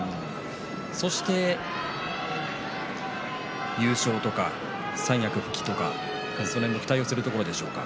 そして優勝とか三役復帰とか、その辺も期待するところでしょうか。